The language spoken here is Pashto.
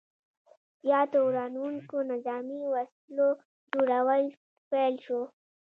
زیاتو ورانوونکو نظامي وسلو جوړول پیل شو.